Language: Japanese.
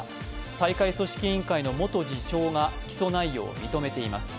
大会組織委員会の元次長が起訴内容を認めています。